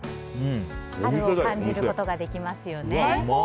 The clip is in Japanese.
春を感じることができますよね。